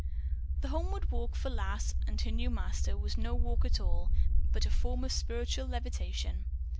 The homeward walk, for Lass and her new master, was no walk at all, but a form of spiritual levitation.